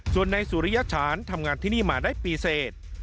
ส่วนนายสุริยฉานทำงานที่นี่มาได้ปีเสร็จ